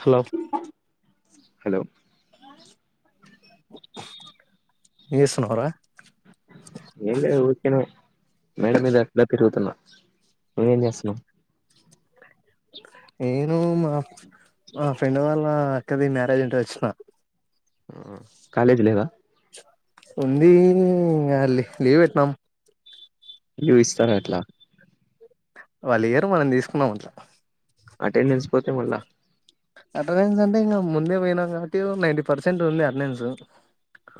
Hello hello ఈశన్నహరా ఎల్ ఊచ్చేను మేడం ఇది ఎట్లా తిరుగుతున్నా మవ్వేం చేస్తున్నాం ఏను మా ఆ ఫ్రెండ్ వల్ళ ద మ్యారేజ్ అంటే వచ్చినా కాలేజ్లవా ఉంది అలి లీవ్ పెట్నాం చూపిస్తారా ఎట్లా వాళ్ళు ఏరు మనం తీసుకున్నాం అట్లా అటెండెన్స్ పోతే మళ్ళా అటెండెన్స్ అంటే ఇంకా ముందే పోయినాం కాబట్టి నైన్ంటీ పర్సెంట్ ఉంది అటెండెన్స్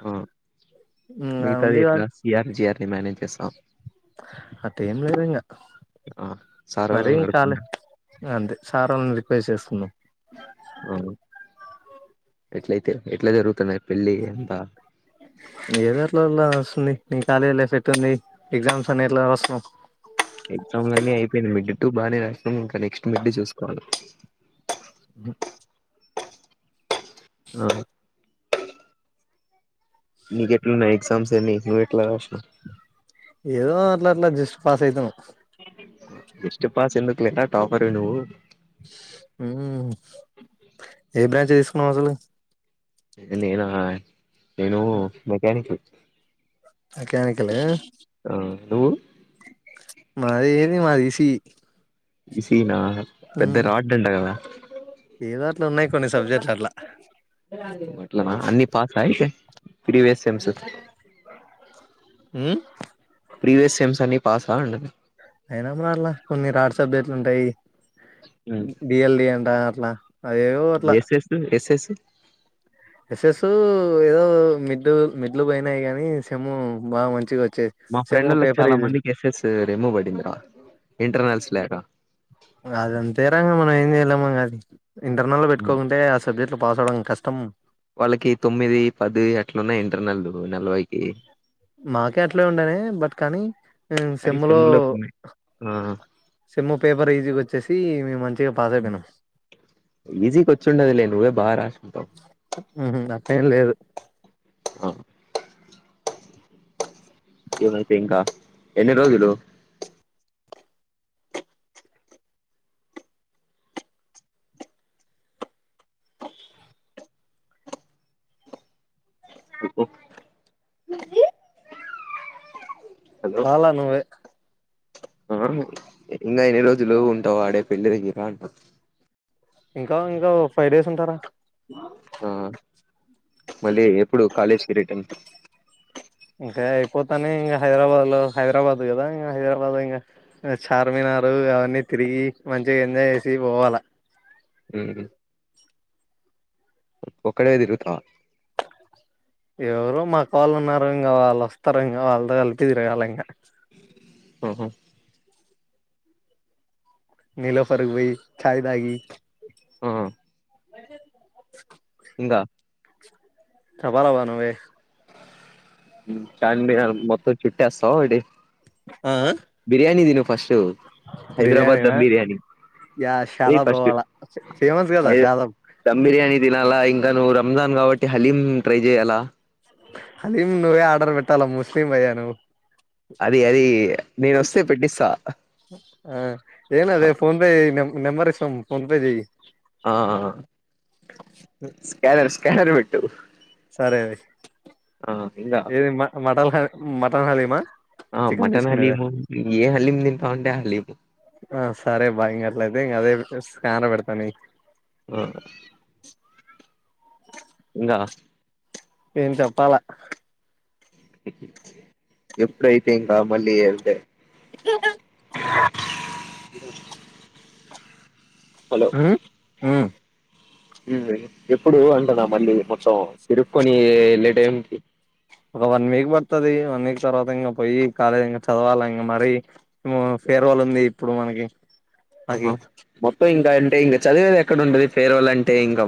ఆ ఇంగ మిగతాది ఉంది ఎట్లా సిఆర్ జిఆర్ ని మేనేజ్ చేస్త స అత ఏం లేదుంగా ఆ మరి సారోళ్ళని ఇం కాల అడుక్కుంటా అంతే సార్ వాళ్ళని రిక్వేర్ చేసుకున్నాం అవు ఎట్లయితే ఎట్లా జరుగుతున్నాయి పెళ్లి ఎంత ఏదో అట్లా అట్లా వస్తుంది నీ కాలేజ్ ఫ్రేట్టుంది ఎగ్జామ్స్ అనే ఎట్లా వస్తుాం పేన్ మికిట్టు బానే కాష్ ఇంకా నెక్స్ట్ మిడ్ చూసుకోవాలి హా హా నీకెట్లున్నయ్ ఎగ్జామ్స్ ఎన్ని నువ్వెట్ల రాష్ణవ్ ఎదో అట్లా అట్లా జస్ట్ పాస్ అయితం జస్ట్ పాస్ ఎందుకులే నా టాపరే నువ్వు ఉ ఏ బ్రాంచ్ తీసుకున్నవ్ అసలు నేనా నేను మెక్యనిక్ మెకానికల్ ఆ హలో మాది ఏంది మాది E C E E C E నా పెద్ద రాడ్డంట కదా ఏదో అట్లా ఉన్నాయి కొన్ని సబ్జెక్ట్లు అట్లా అట్లానా అన్ని పాసా అయితే ప్రీవియస్ సెమ్స్ ఆమ్ ప్రీవియస్ సెమ్స్ అన్ని పాసా అంటున్న అయిన మరలా కొన్ని రాడ్ సబ్జెక్ట్లు ఉంటయి డి ఎల్ డి అంట అట్లా అదేవో yes yes yes yes yes yes ఏదో మిడ్లు మిడ్లు పోయినయి గాని సెమ్ బాగా మంచిగా వచ్చ మా ఫ్రెండ్ళ్ళకి చాలా మంది కి ఎసెస్ రిమూవ్ పడింది రా ఇంటర్నల్స్ లేక అదంతేరా మనం ఏం చేయలేము ఇంగ అది ఇంటర్నల్ లో పెట్టుకోకుంటే ఆ సబ్జెక్ట్లు పాస్ అవ్వడం కష్టం పా వాళ్ళకి తొమ్మిది పది అట్లున్నయి ఇంటర్నల్లు నలభైకి నాకు అట్లే ఉండనే బట్ కానీ కానీ సెమ్లో సెమ్ములో కొన్ని ఆ సెమ్ పేపర్ ఈజీగా వచ్చేసి మేము మంచిగా పాస్ అయిపోయినం ఈజీగా వచ్చుండదులే నువ్వే బాగా రాసుంటావు ఆమ్ ఆహా అట్లెం లేదు ఆ ఏవనైతే ఇంకా ఎన్ని రోజలు హలో పాల నువ్వే ఆ ఇంకా ఎన్ని రోజులు ఉంటవు ఆడ పెళ్ళి దగ్గర అంటున్న ఇంకా ఇంకా ఫైవ్ డేస్ ఉంటారా ఆ మళ్ళీ ఎప్పుడు కాలేజ్ పీరియడ్ ఇంకా అయిపోతానే ఇంకా హైదరాబాద్ లో హైదరాబాద్ కదా ఇకా హైదరాబాద్ లో ఇంకా చార్మినార్ అవన్నీ తిరిగి మంచిగా ఎంజాయ్ చేసి పోవాల అ ఒకక్కడదిరు తా ఎవరు మాకు వాళ్ళు ఉన్నారు ఇంకా వాళ్ళు వస్తారు ఇంకా వాళ్ళతో కలిపిదిరయాలి ఇంకా ఆఓహ నీలో ఫరక్ భయి చాయ తాగి ఆ [inaudible] ఇకా ప్రవాాలవ ను చం మొత్త చుట్టటి వస్తావ ఇడి బిర్యానీ దిన ఫస్ట్ హైదరాబాద్ బిర్యానిన దమ్ బిర్యానీ ఏయ్ ఫస్ట్ శాలాబ్వాలా ఫేమస్ కదా హై శాలా దమ్ బిర్యానీ తినాలా ఇంకా నువ్వు రంజాన్ కాబట్టి హలీం ట్రై చెయ్యాలా అదిం నువ్వే ఆర్డర్ పెట్టాలా ముస్లిం అయ్యా నువవు అది అది నేను వస్తే పెట్టిస్తా ఆ ఏన అదే ఫోన్ పే న నెంబర్ ఇస్తం ఫోన్ పే చేయ్ ఆ స్కాన్ స్కానర్ పెట్టు సరే అయి ఆ ఇంగా ఏది మ మటన్ హ మటన్ హలిమా ఆ చికెన్ మటన్ తీసుకునేద హలీము ఏ హలీం తింటావు అంటే ఆ హలీము సరే బాగా ఇంక అట్లయితే ఇంకా అదే స్కానర్ పెడతా ఆ ఇంకా ఏం చెప్పాల ఎప్పుడైతేంగా మళ్ళీ అంతే [inaudible] [inaudible] హలో ఉమ్ ఉమ్ ఎప్పుడు అంటునా మళ్ళీ మొత్తం తిరుక్కకుొని వెళ్ళే టైంకి ఒక వన్ వీక్ పడుతుది వన్ వీక్ తర్వాత ఇంకా పోయి కాలేజీ ఇంకా చదవాలి ఇంకా మరి ఫేర్వాల్ ఉంది ఇప్పుడు మనకి నాకి ఆహా మొత్తం ఇంగా ఎ ఇంక చదివేది ఎక్కడంటది ఫేర్వెల్ అంటే ఇంకా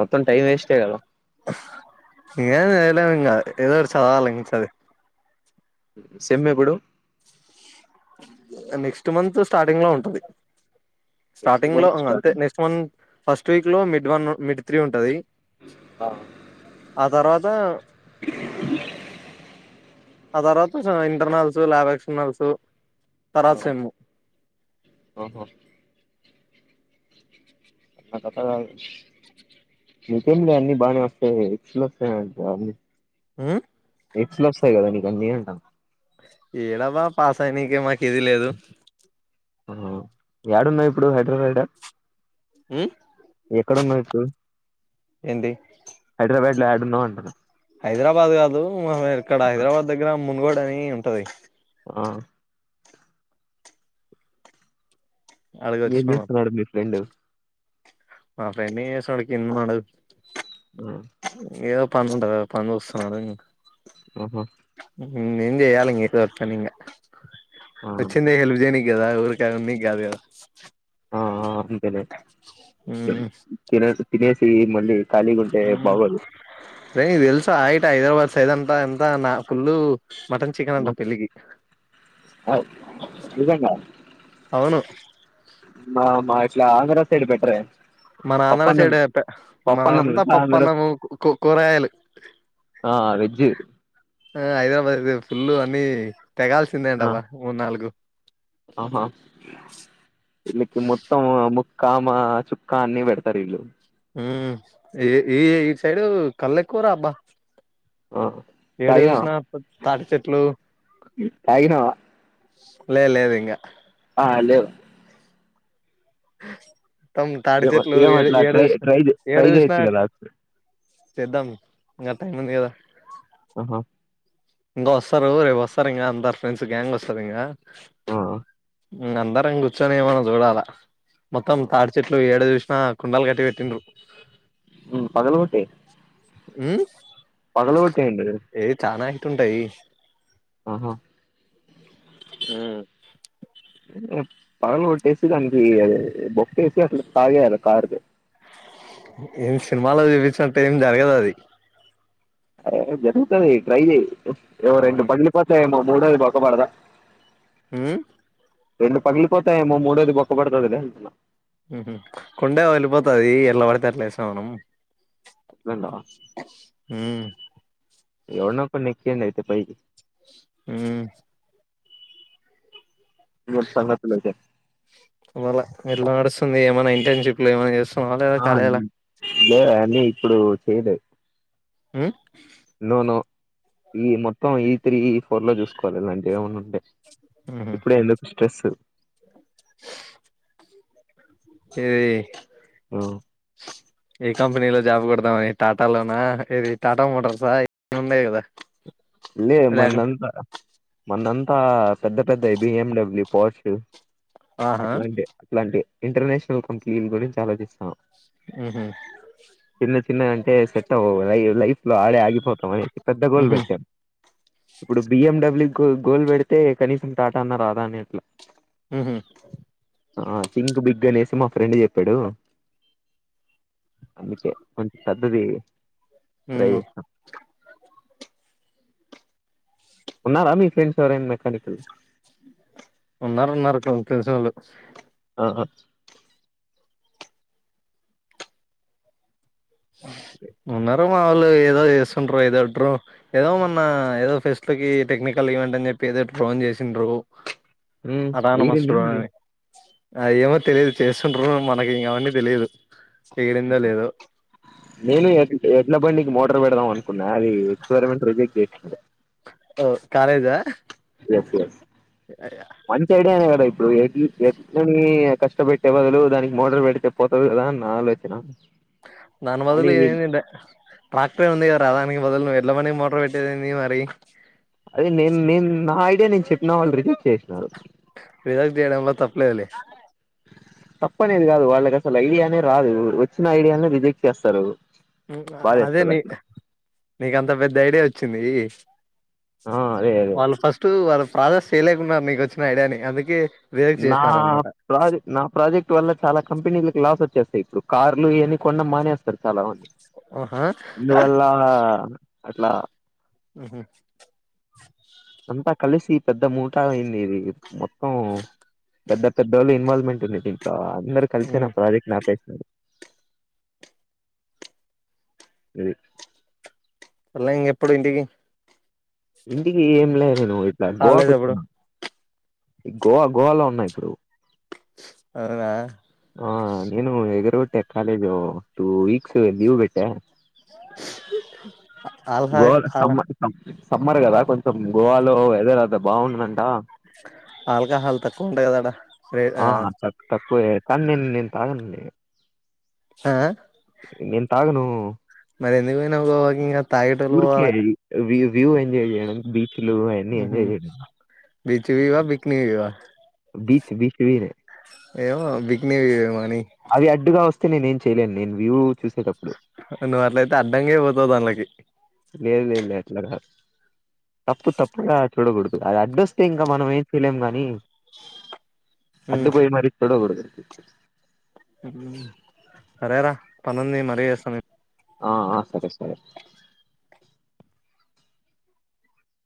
మొత్తం టైం వేస్టే కదా ఇంకేం చేయలేం ఇంకా ఏదోటి చదవాలి సది సేమ్ ఎప్పుడూ నెక్స్ట్ మంత్ స్టార్టింగ్ లో ఉంటుంది నెక్స్ట్ స్టార్టింగ్ లో మంత్ అే స్టార్టింగ్ నెక్స్ట్ మ ఫస్ట్ వీక్ లో మ మ వన్ మిడ్ త్రీ ఉంటది ఆ ఆ తర్వాతా ఆ తర్వాతా ఇంటర్నల్స్ ల్యాబ్ ఎక్క్షనల్స్ ఆ, తర్వాతా సేమ్ ఆహా అ కథ మీకంలే అన్ని బానీ వ ఉమ్ ఎక్స్ల వస్తాయి కదా అన్నీ నీకు అంటాన ఏడాబా పాస్ అయినాకనే మా ఇది లేదు ఆ యడున్నావ్ ఇప్పుడు హైదరాబాడ్ ఉమ్ ఎక్కడున్నవ్ ఇప్పుడు ఏంటి హైదరాబాద్ యాడున్నావ్ అంటున్న హైదరాబాద్ కాదు ఉమ్ ఇక్కడ హైదరాబాద్ దగ్గర మునుగోడు ని ఉంటది ఆ అడిగి ఏన్ వచ్చినాం చేసన్నాడ మీ ఫ్రెండ్ ఆ ఫ్రెండ్ సడు కింధా ఉనాడు ఏ పను ఉంటద పని వస్తున్నాడు ఆహా నిందేయాలంగ ఇకు వర్స్తా నికా ఆ వచ్చిందే హ విజేనికినికి దా ఊరుకా మీ కాదుదా థినా మ్మ్ థినేసి థెనేసి [unintelligible] ఫ్రీ మండి రే ఇది తెలుసా ఆయిట్ హైదరాబాద్ సైదంట ఎంత నా ఫుల్లు మటన్ చికెన్ అంట పెళ్లిగి ఆ, నిజంగా అవును మా మా ఇట్లా ఆంధ్ర సైడ్ పెట్రే మన ఆంధ్ర సైడ్ చెప్ప పప్పన్నం మనంతా తెలుసా ఆంధ్ర పప్పన్నము కూరయలు ఆ వెజ్ ఆ హైదరాబాద్ ఇ ఫుల్లు అని తెగాల్సిందేండ ఆ అబ్వ్వ మూడు నాలుగు ఆహా పెల్లి మొత్తం ముక్కా మా చుక్క అన్ని పెడతారు ఇల్లు ఉమ్ ఈ ఈ ఈ సైడు కలు ఎకువారా ఆబ్బా ఆ ఏడు తాగినవా చూసినా తాటి చెట్లు తాగినవా లే లేదు ఇంకా హలో అ ఏ ఏమట్లా ట్రై ట్రై ట్రై ఏడు చూసినా చేయొచ్చు కదా అ చేద్దాం ఇంకా టైమ్ ఉంది కదా ఆహా ఇంకా వస్తారు రేపు వస్తారు ఇంకా అందరు ఫ్రెండ్స్ గ్యాంగ్ వస్తది ఇంకా [unintelligible] ఇంక అందరం కూర్చొని ఏమన్నా చూడాలా మొత్తం తాడి చెట్లు ఏడు ఏది చూసినా కుండలు కట్టి పెట్టిండ్రు ఉం పగలు కొట్టేయ్ ఊమ్ పగలకొట్టేయండి తుంటాయి ఆహా ఉమ్ పగల కొట్టేసి దానికి ఈ బొక్కేసి అట్లా తాగేయాల కార్ కి ఏం సినిమాలో చూపించినట్టు ఏం జరగదు అది అ జరుగుతది ట్రై చే ఏవో ఉహు రెండు పగిలి పోతాయేమో మూడోది బొక్కపడదా ఉమ్ రెండు పగిలిపోతాఏమో మూడోది బొక్క పడతదిలే అంటన్నా వుహుమ్ కుండే పగిలి పోతది ఎట్ల పడితే అట్ల వేసినం మనం విన్నవా ఉమ్మ్ ఎవడ్నో ఒకడిని ఎక్కియండి పీజీ ఊమ్మ్ ఏంటి సంగతులు ఐతే వల ఎట్లా నడుస్తుంది ఏమన్నా ఇంటర్న్షిప్ లో ఏమన్నా చేస్తు ఆ లే అని ఇప్పుడు చేయలేదు ఉ నో నో ఈ మొత్తం ఈ త్రీ ఈ ఫోర్ లో చూసుకోవాలి ఇలాంటివి ఏమన్నా ఉంటే ఉహు. ఇప్పుడే ఎందుకు స్ట్రెస్సు చేయ్ ది ఏక్ కంపెనీలో జాబ్ కొడదామని టాటాలోనా ఏది టాటా మోటార్సా ఏది ఉన్నాయి కదా ఇ లేక మన్నంతా మన్నంత ఆ పెద్ద పెద్ద బిఎండబ్ల్యూ పోస్ ఆహా అట్లాంటి అట్లాంటి ఇంటర్నేషనల్ కంపెనీల గురించి ఆలోచిస్తాం ఉహు చిన్న చిన్న అంటే సెట్ అవ్వవు ఇది లైఫ్ ఆడే ఆగిపోతామ పెద్ద గోల్ ఉహు బె ఇప్పుడు బిఎడబ్ల్యూ గోల్ పెడితే కనీసం టాటా అన్న రాదా అని అట్లా హ ఆ సిక్ బిగ్ అనేసి మా ఫ్రెండ్ చెప్పాడు అందుకే కొంచం సద్దది రై ఉమ్ ఉన్నారా మీ ఫ్రెండ్స్ ఎవరైనా మెకనికల్ ఉన్నారు ఉన్నారు కొ తెలిస వాళ్ళు ఆ ఉన్నారు మా వాళ్ళు ఏదో చేస్తుంట్ర ఏదో డ్రో ఏదో మొన్న ఏదో ఫెస్ట్ లో క టెక్నికల్ ఈవెంట్ అని చెప్పి ఏదో డ్రోన్ చేసిండ్రు ఆ వరిందయా మరి అ ఏమో తెలియదు చేస్తుంట్ర మనకి ఇం కావన్నీ తెలిదు చేయడిందా లేదో న న ఎట్లా ప న మట పెడదా అనుకున్నా అది ఎక్స్పరిమెంట్ రిజెక్ట్ చేండి ఓ కాలేజా ఎస్ ఎస్ మంచి ఐడినే ఇప్పుడు ఎ ఎదుని కష్టపెట్టే బదులు దానికి మోటార్ పెడితే పోతుంది కదా అ నా ఆలోచన దాని కానీ బదులు వీ ట్రాక్టర్ ఏ ఉంది కదా అదా వదలు ఎట్ల మనే మోటర్ పెట్టేదదింది మరి అదే ని ని నా అదేను చెప్పిన వాళ్ళు రిజెక్ట్ చేసినారు విదగ్ దేడమ తప్ప లేదులే నేది కాదు వాళ్ళకి అసలు ఐడియానే రాదు వచ్చిన ఐడియానే రిజెక్ట్ చేస్తారు అదే బాధేస్తది నీ అట్లా నీక అంత పెద్ద ఐడియా వచ్చ వచ్చింది ఆ అదే అదే వాళ్ళు ఫస్ట్ వాళ్ళ రాాజస్ చేయలేకున్నారు నీకు వచ్చిన ఐడియాని అందుకే రిజెక్ట్ నా చేసినారు అనమాట ప్రాజ నా ప్రాజెక్ట్ వల్ల చాలా కంపెనీలకు లాస్ వచ్చేస్తాయి ఇప్పుడు కార్లు ఇవీ కొనడం మానేస్తారు చాలా మంది. ఆహా అందువల్ల అట్లా మ్మ్ హు అంతా కలిసి పెద్ద మూటా అయింది ఇది మొత్తం పెద్ద పెద్దోళ్ల ఇన్వాల్మెంట్ ఉంది దీంట్ల అందరూ కలిసి నా ప్రాజెక్ట్ ని ఆపేసింది ఇది మళ్ళా ఇంగ ఎప్పుడు ఇంటికి ఇంటికి ఏం లేదు నేను ఇట్లా గోవాకు హాలిడేస్ ఎప్పుడు వచ్చినా గోవా గోవాలో ఉన్నా ఇప్పుడు అవునా ఆ నేను ఎగురుకొట్టా కాలేజు టూ వీక్స్ లీవ్ పెట్టా ఆల్హా గోవా లో ఆల్ సమ్మర్ ఇస్తాం సమ్మర్ కదా కొంచెం గోవాలో వెదర్ అంత బాగుందంట ఆల్కాహాల్ తక్కువ అంటా కదా ఆడ రే ఆ! హా తక్ తక్కువే. కానీ నేను నేను తాగనని హా తాగను. మరి ఎందుకు పోయినా వాకింగ్ ఉడికే వ్యూ ఎజయ్ చేయడం బి బీచ్వి వా పక్నివా బీష్ వి ఏవ బక్ని మ అవి అడ్డుగా వస్తయి నేనుయలేను నేను వ్యూ చూసేటప్పుడు రన్ని అట్ల అయితే అడ్డంగా అయి పోతాందిళ్లకి లేదు లే లే అట్లాదు తప్పు తప్పుడా చూడకడు అది అడ్డొస్తే ఇంకా మనం ఏం చేయలేం గాని అడ్డు పోయి మరి చొడబడదుదు సరేరా పనుంది మరీ చేస్తాను ఆ సరే సరే